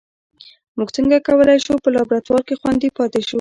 موږ څنګه کولای شو په لابراتوار کې خوندي پاتې شو